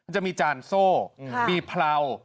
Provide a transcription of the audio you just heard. จะมีจานโซ่มีเพรา